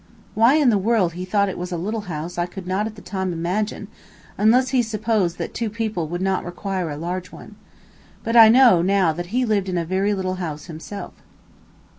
Why in the world he thought it was a little house I could not at the time imagine, unless he supposed that two people would not require a large one. But I know, now, that he lived in a very little house himself.